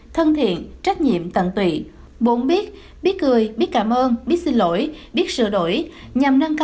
thân thiện trách nhiệm tận tụy bốn biết cười biết cảm ơn biết xin lỗi biết sửa đổi nhằm nâng cao